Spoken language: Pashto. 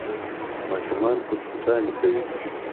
ماشومان پټ پټانې کوي.